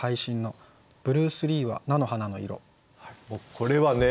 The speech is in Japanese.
これはね